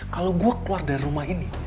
kalau gue keluar dari rumah ini